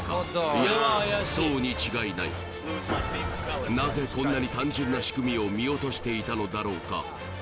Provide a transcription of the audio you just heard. いやそうに違いないなぜこんなに単純な仕組みを見落としていたのだろうか